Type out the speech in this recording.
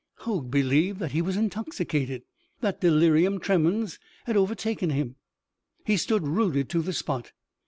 Hoag believed that he was intoxicated, that delirium tremens had overtaken him. He stood rooted to the spot.